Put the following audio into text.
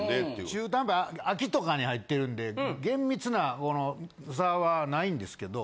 中途半端秋とかに入ってるんで厳密なこの差はないんですけど。